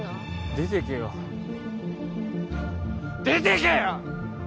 出てけよ出てけよ！